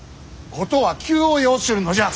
事は急を要するのじゃ。